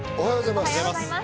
おはようございます。